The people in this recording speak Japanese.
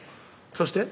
そして？